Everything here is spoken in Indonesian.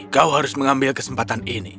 kau harus mengambil kesempatan ini